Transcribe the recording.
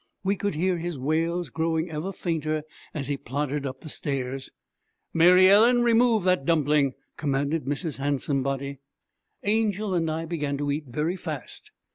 We could hear his wails growing ever fainter as he plodded up the stairs. 'Mary Ellen, remove that dumpling!' commanded Mrs. Handsomebody. Angel and I began to eat very fast.